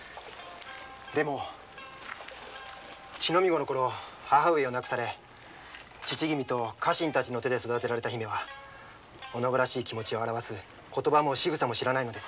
でも乳飲み子のころ母上を亡くされ父君と家臣たちの手で育てられた姫は女子らしい気持ちを表す言葉も仕草も知らないのです。